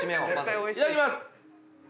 いただきます。